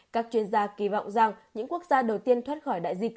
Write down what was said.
các chuyên gia kỳ vọng rằng những quốc gia đầu tiên thoát khỏi đại dịch